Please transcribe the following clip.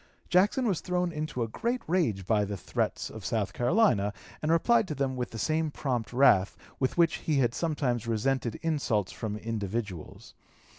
Jackson was thrown into a great rage by the threats of South Carolina, and replied to them with the same prompt wrath with which he had sometimes resented insults from individuals.